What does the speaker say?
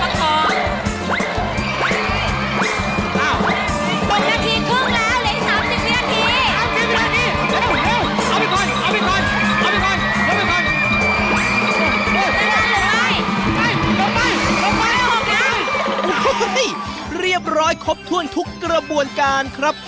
โอ้โหเรียบร้อยครบถ้วนทุกกระบวนการครับ